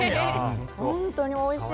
本当においしい。